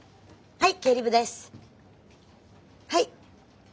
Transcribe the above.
はい。